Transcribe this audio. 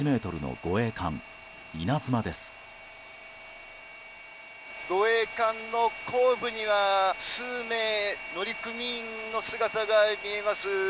護衛艦の後部には数名、乗組員の姿が見えます。